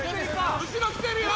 後ろ来てるよ！